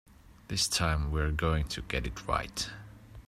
This time we're going to get it right.